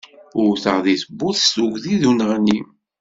Wwteɣ di tewwurt s tuggdi d uneɣni.